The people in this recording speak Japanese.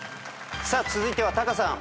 さあ続いてはタカさん。